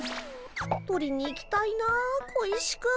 取りに行きたいな小石くん。